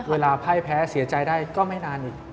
ไพ่แพ้เสียใจได้ก็ไม่นานอีก